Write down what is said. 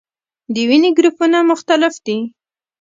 د وینې ګروپونه مختلف دي